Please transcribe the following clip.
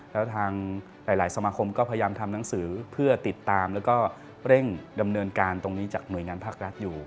แล้วทางหลายสมาคมก็พยายามทำหนังสือเพื่อติดตามแล้วก็เร่งดำเนินการตรงนี้จากหน่วยงานภาครัฐอยู่